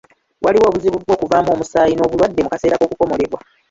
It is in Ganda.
Waliwo obuzibu bw'okuvaamu omusaayi n'obulwadde mu kaseera k'okukomolebwa.